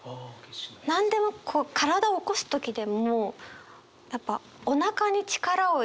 何でもこう体を起こす時でもやっぱおなかに力を入れるじゃないですか。